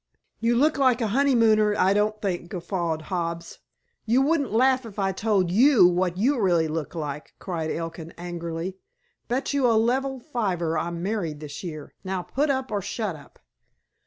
"You look like a honeymooner, I don't think," guffawed Hobbs. "You wouldn't laugh if I told you what you really look like," cried Elkin angrily. "Bet you a level fiver I'm married this year. Now, put up or shut up!"